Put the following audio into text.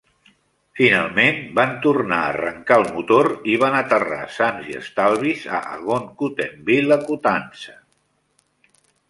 Finalment van tornar a arrencar el motor i van aterrar sans i estalvis a Agon-Coutainville, a Coutances.